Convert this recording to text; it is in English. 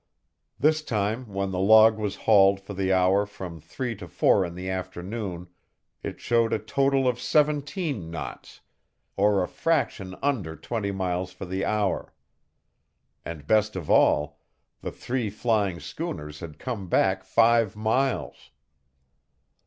This time when the log was hauled for the hour from three to four in the afternoon it showed a total of seventeen knots, or a fraction under twenty miles for the hour. And best of all, the three flying schooners had come back five miles.